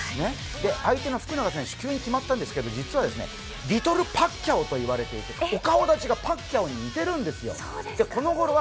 相手の福永選手、急に決まったんですが、実はリトル・パッキャオと言われて、お顔立ちがパッキャオに似てるんですよ。